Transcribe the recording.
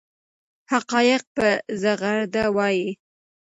حقایق په زغرده وایي.